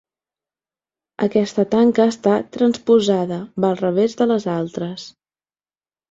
Aquesta tanca està transposada: va al revés de les altres.